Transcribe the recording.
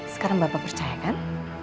sekarang bapak percaya kan